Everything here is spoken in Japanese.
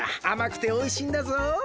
あまくておいしいんだぞ。